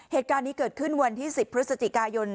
เหตุการณ์นี้เกิดขึ้นวันที่๑๐พฤศจิกายน